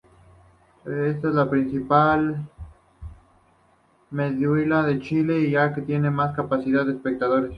Es la principal medialuna de Chile y la que tiene más capacidad de espectadores.